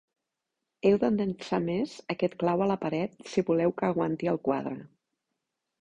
Heu d'endinsar més aquest clau a la paret, si voleu que aguanti el quadre.